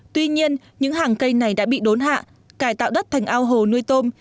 tuy nhiên những hàng cây này đã bị đốn hạ cải tạo đất thành ao hồ nuôi tôm